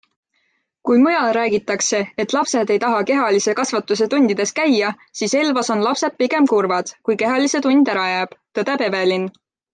Kui mujal räägitakse, et lapsed ei taha kehalise kasvatuse tundides käia, siis Elvas on lapsed pigem kurvad, kui kehalise tund ära jääb, tõdeb Evelin.